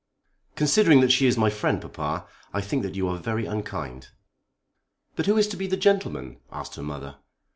"Considering that she is my friend, papa, I think that you are very unkind." "But who is to be the gentleman?" asked her mother.